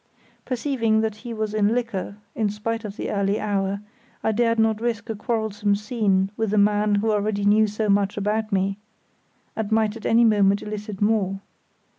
Perceiving that he was in liquor, in spite of the early hour, I dared not risk a quarrelsome scene with a man who already knew so much about me, and might at any moment elicit more.